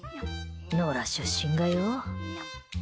野良出身がよ。